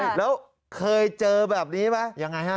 เคยแล้วเคยเจอแบบนี้ไหมยังไงครับ